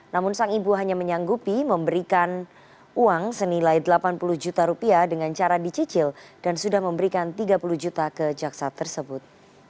namun sang ibu hanya menyanggupi memberikan uang senilai delapan puluh juta rupiah dengan cara dicicil dan sudah memberikan tiga puluh juta ke jaksa tersebut